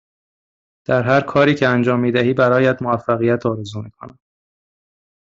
در هرکاری که انجام می دهی برایت موفقیت آرزو می کنم.